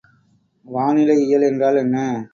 வானிலை இயல் என்றால் என்ன?